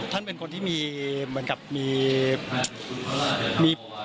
ท่านเป็นคนที่มีเหมือนกับมี